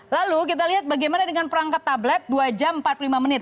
lalu kita lihat bagaimana dengan perangkat tablet dua jam empat puluh lima menit